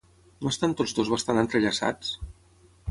No estan tots dos bastant entrellaçats?